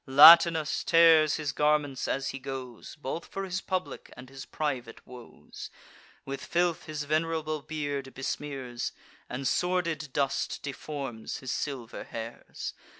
Latinus tears his garments as he goes, Both for his public and his private woes; With filth his venerable beard besmears, And sordid dust deforms his silver hairs.